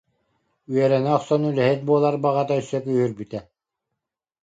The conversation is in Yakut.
Үөрэнэ охсон үлэһит буолар баҕата өссө күүһүрбүтэ